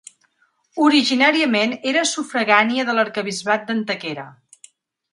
Originàriament era sufragània de l'arquebisbat d'Antequera.